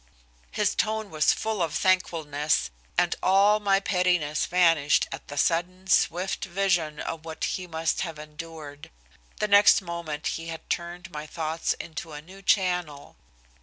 His tone was full of thankfulness, and all my pettiness vanished at the sudden, swift vision of what he must have endured. The next moment he had turned my thoughts into a new channel.